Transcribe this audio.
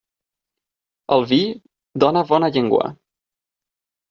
El vi dóna bona llengua.